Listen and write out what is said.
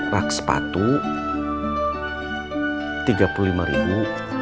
rak sepatu rp tiga puluh lima ribu